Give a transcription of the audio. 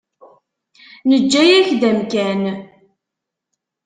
Neǧǧa-yak-d amkan.